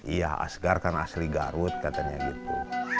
iya asgar kan asli garut katanya gitu